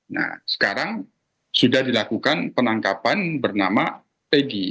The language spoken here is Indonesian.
nah sekarang sudah dilakukan penangkapan bernama tegi